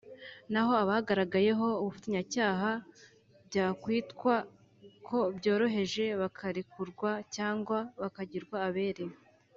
naho abagaragayeho ubufatanyacyaha byakwitwa ko byoroheje bakarekurwa cyangwa bakagirwa abere